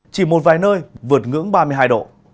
chỉ một vài nơi vượt ngưỡng ba mươi hai độ